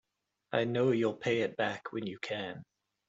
I know you'll pay it back when you can.